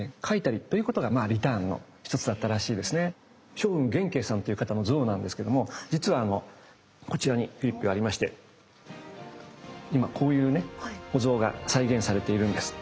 松雲元慶さんという方の像なんですけども実はあのこちらにフリップがありまして今こういうねお像が再現されているんです。